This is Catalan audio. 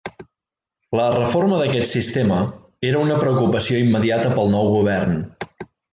La reforma d'aquest sistema era una preocupació immediata per al nou govern.